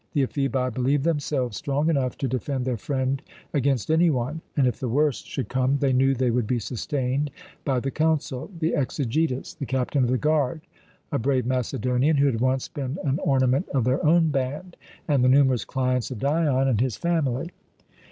The Ephebi believed themselves strong enough to defend their friend against any one and, if the worst should come, they knew they would be sustained by the council, the Exegetus, the captain of the guard a brave Macedonian, who had once been an ornament of their own band and the numerous clients of Dion and his family.